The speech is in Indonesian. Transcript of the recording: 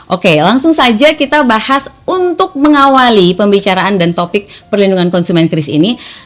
oke langsung saja kita bahas untuk mengawali pembicaraan dan topik perlindungan konsumen kris ini